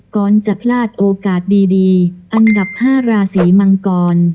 ก่อนจะพลาดโอกาสดีอันดับ๕ราศีมังกร